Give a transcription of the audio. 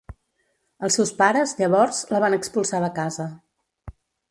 Els seus pares, llavors, la van expulsar de casa.